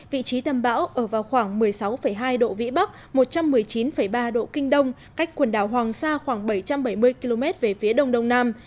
vị trí tâm bão ở vào khoảng một mươi sáu hai độ vĩ bắc một trăm một mươi chín ba độ kinh đông cách quần đảo hoàng sa khoảng bảy trăm bảy mươi km về phía đông đông nam